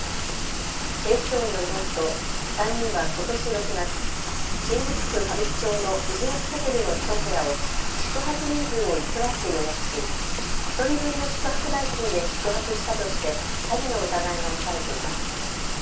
警視庁によりますと３人はことし６月、新宿区歌舞伎町のビジネスホテルの１部屋を宿泊人数を偽って予約し１人分の宿泊代金で宿泊したとして詐欺の疑いが持たれています。